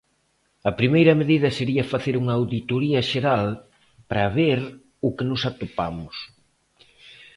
A primeira medida sería facer unha auditoría xeral para ver o que nos atopamos.